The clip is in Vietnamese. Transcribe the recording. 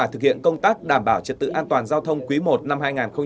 thực hiện công tác đảm bảo trật tự an toàn giao thông quý i năm hai nghìn hai mươi bốn